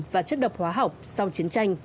và chất độc hóa học sau chiến tranh